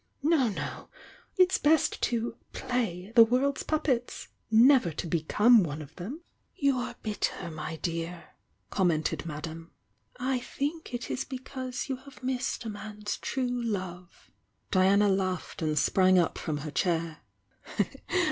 No, no! It's best to 'play' the world's puppets— never to be come one of them!" _ "You are bitter, my dear!" commented Madame. "I think it is because you have missed a man's true love." Diara laughed and sprang up from her chair.